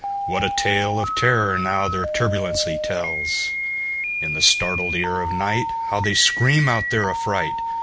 What a tale of terror, now, their turbulency tells! In the startled ear of nightHow they scream out their affright!